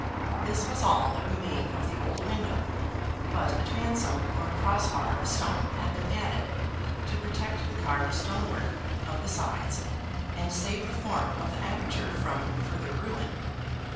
This was all that remained of the old window, but a transom or cross bar of stone had been added to protect the carved stone work of the sides, and save the form of the aperture from further ruin.